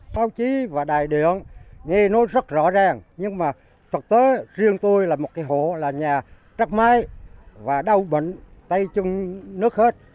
phóng chí và đại điện nghe nói rất rõ ràng nhưng mà thực tế riêng tôi là một cái hộ là nhà trắc mái và đau bệnh tay chung nước hết